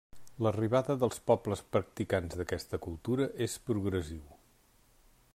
L'arribada dels pobles practicants d'aquesta cultura és progressiu.